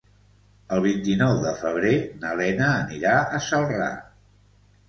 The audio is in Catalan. El vint-i-nou de febrer na Lena anirà a Celrà.